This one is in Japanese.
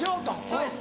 そうです。